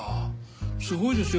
すごいですよ